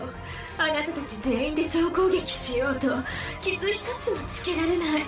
あなたたち全員で総攻撃しようと傷一つも付けられない。